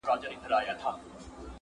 زما یې د شبقدر په ماښام قلم وهلی -